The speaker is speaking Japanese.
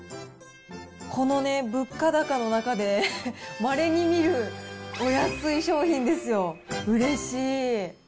このね、物価高の中で、まれにみるお安い商品ですよ、うれしい。